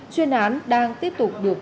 chuyên án đang tiếp tục được